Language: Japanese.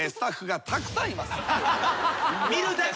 見るだけ？